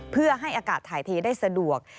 เพื่อให้อากาศถ่ายเทได้สะดวก